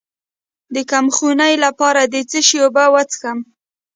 د کمخونۍ لپاره د څه شي اوبه وڅښم؟